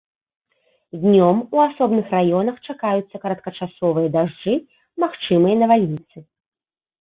Днём у асобных раёнах чакаюцца кароткачасовыя дажджы, магчымыя навальніцы.